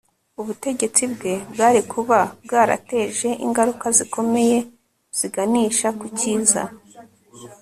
ubutegetsi bwe bwari kuba bwarateje ingaruka zikomeye ziganisha ku cyiza